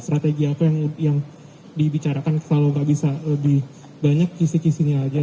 strategi apa yang dibicarakan kalau gak bisa lebih banyak kisih kisihnya aja